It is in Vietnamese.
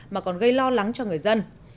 mà còn gây lo lắng cho người dân